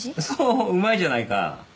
そううまいじゃないか。